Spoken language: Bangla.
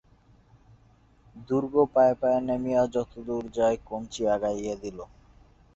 দুর্গ পায়ে পায়ে নামিয়া যতদূর যায় কঞ্চি আগাইয়া দিল।